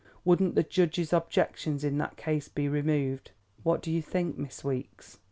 Wouldn't the judge's objections, in that case, be removed? What do you think, Miss Weeks?"